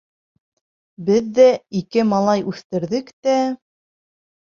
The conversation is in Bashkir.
Беҙ ҙә ике малай үҫтерҙек тә...